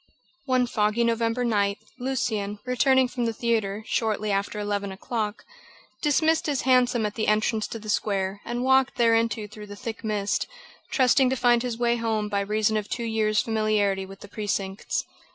One foggy November night, Lucian, returning from the theatre, shortly after eleven o'clock, dismissed his hansom at the entrance to the square and walked thereinto through the thick mist, trusting to find his way home by reason of two years' familiarity with the precincts.